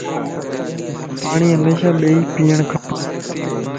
پاڻين ھميشا ٻيئي پيڻ کپ